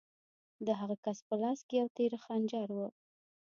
د هغه کس په لاس کې یو تېره خنجر و